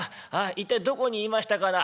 一体どこにいましたかな？」。